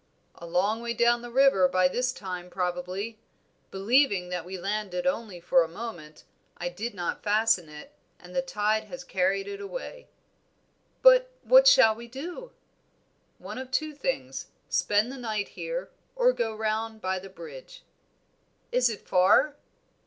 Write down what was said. "A long way down the river by this time, probably. Believing that we landed only for a moment, I did not fasten it, and the tide has carried it away." "But what shall we do?" "One of two things, spend the night here, or go round by the bridge." "Is it far?"